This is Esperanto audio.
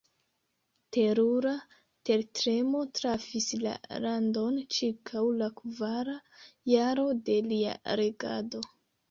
Terura tertremo trafis la landon ĉirkaŭ la kvara jaro de lia regado.